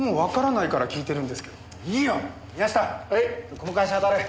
この会社当たれ。